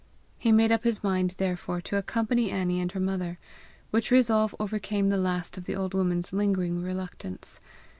He made up his mind therefore to accompany Annie and her mother, which resolve overcame the last of the old woman's lingering reluctance.